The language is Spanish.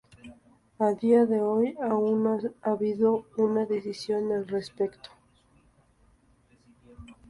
A día de hoy aún no ha habido una decisión al respecto.